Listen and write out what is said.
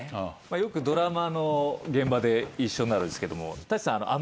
よくドラマの現場で一緒になるんですけど。